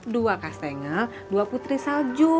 dua kastengel dua putri salju